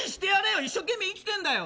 一生懸命生きてるんだよ。